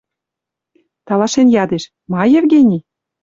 Талашен ядеш: «Ма, Евгений?..